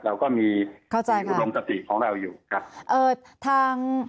เราก็มีอุดลงตะติของเราอยู่ครับ